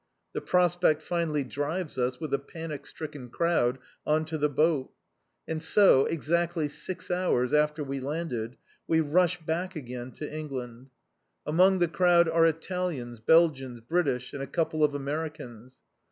The prospect finally drives us, with a panic stricken crowd, on to the boat. And so, exactly six hours after we landed, we rush back again to England. Among the crowd are Italians, Belgians, British and a couple of Americans.